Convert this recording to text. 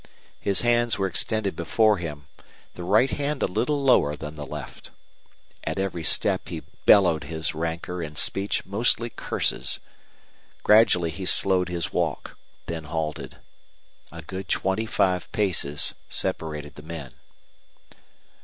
His hands were extended before him, the right hand a little lower than the left. At every step he bellowed his rancor in speech mostly curses. Gradually he slowed his walk, then halted. A good twenty five paces separated the men.